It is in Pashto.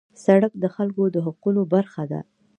سړک د خلکو د حقونو برخه ده.